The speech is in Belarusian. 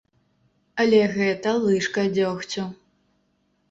Але гэта лыжка дзёгцю.